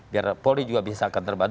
biar polri juga bisa akan terbantu